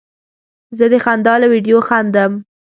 زه د خندا له ویډیو خندم.